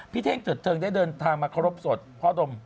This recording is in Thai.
พี่เท้งเสร็จเถิงได้เดินทางมาเคารพสดพ่อดม